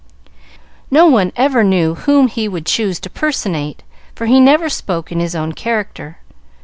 No one ever knew whom he would choose to personate, for he never spoke in his own character.